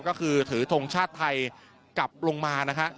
ก็คือถือทงชาติไทยกลับลงมานะฮะ